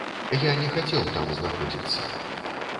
Я не хацеў там знаходзіцца.